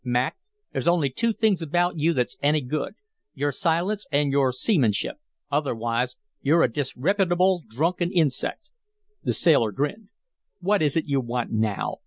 "Mac, there's only two things about you that's any good your silence and your seamanship. Otherwise, you're a disreppitable, drunken insect." The sailor grinned. "What is it you want now?